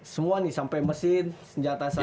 semua nih sampai mesin senjata saya